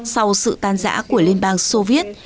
sau sự tan giã của liên bang soviet